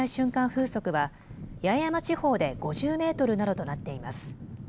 風速は八重山地方で５０メートルなどとなっています。